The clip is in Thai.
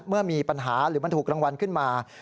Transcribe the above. เมื่อมีปัญหาหรือมันถูกรางวัลขึ้นมา